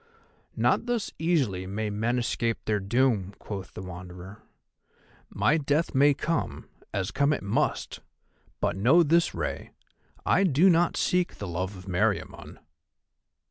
"Not thus easily may men escape their doom," quoth the Wanderer. "My death may come, as come it must; but know this, Rei, I do not seek the love of Meriamun."